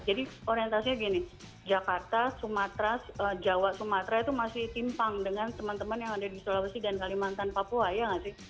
jadi orientasinya gini jakarta sumatera jawa sumatera itu masih timpang dengan teman teman yang ada di sulawesi dan kalimantan papua ya nggak sih